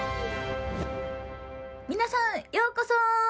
皆さん、ようこそ！